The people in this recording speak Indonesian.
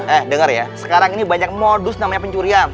eh dengar ya sekarang ini banyak modus namanya pencurian